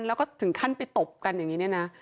และก็ถึงขั้นไปตบกันนะ